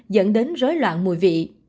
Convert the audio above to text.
dẫn đến rối loạn mùi vị